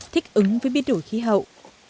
thích ứng với biến đổi khí hậu